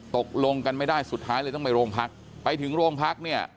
ตกลงกันไม่ได้สุดท้ายเลยต้องไปโรงพักไปถึงโรงพักเนี่ย